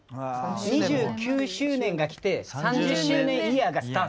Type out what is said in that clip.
２９周年が来て３０周年イヤーがスタートです。